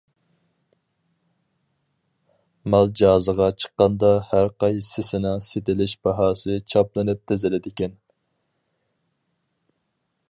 مال جازىغا چىققاندا ھەرقايسىسىنىڭ سېتىلىش باھاسى چاپلىنىپ تىزىلىدىكەن.